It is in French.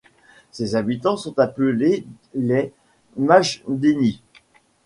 Ses habitants sont appelés les Majdenis.